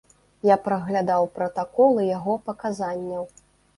Я праглядаў пратаколы яго паказанняў.